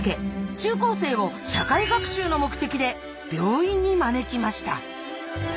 中高生を社会学習の目的で病院に招きました。